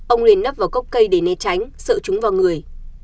ông liền nắp vào cốc cây để né tránh sợ chúng vào người